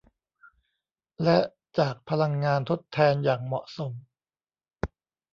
และจากพลังงานทดแทนอย่างเหมาะสม